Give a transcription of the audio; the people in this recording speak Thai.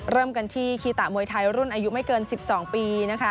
เริ่มกันที่คีตะมวยไทยรุ่นอายุไม่เกิน๑๒ปีนะคะ